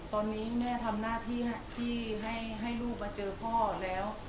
ตอนนี้แม่ทำหน้าที่ที่ให้ลูกมาเจอพ่อแล้ว